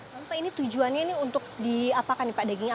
bapak ini tujuannya ini untuk diapakan nih pak dagingnya